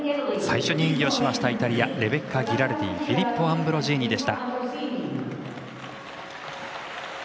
最初に演技をしましたイタリアのレベッカ・ギラルディフィリッポ・アンブロジーニ。